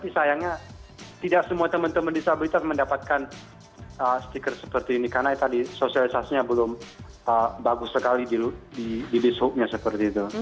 sayangnya tidak semua teman teman disabilitas mendapatkan stiker seperti ini karena tadi sosialisasinya belum bagus sekali di dishubnya seperti itu